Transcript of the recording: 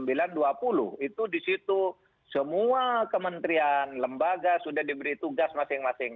itu di situ semua kementerian lembaga sudah diberi tugas masing masing